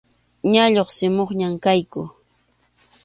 Ña lluqsimuqña kayku.